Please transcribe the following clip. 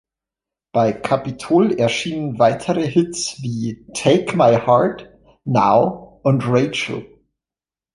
Bei Capitol erschienen weitere Hits wie "Take My Heart", "Now" und "Rachel".